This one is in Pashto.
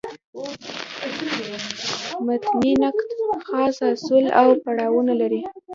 متني نقد خاص اصول او پړاوونه لري.